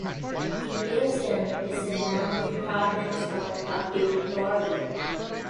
The museum is a non-departmental public body.